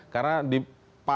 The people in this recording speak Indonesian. karena dipanasin di sisi publik